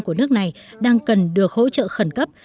của nước này đang cần được hỗ trợ khẩn cấp